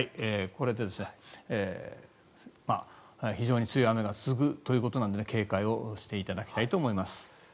これで非常に強い雨が続くということなので警戒をしていただきたいと思います。